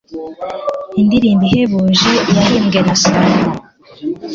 indirimbo ihebuje yahimbwe na salomoni